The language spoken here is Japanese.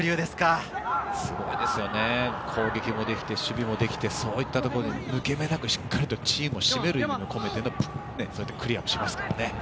すごいですよね、攻撃もできて守備もできて、そういったところに抜け目なくしっかりとチームを締める、意味も込めてのクリアをしますからね。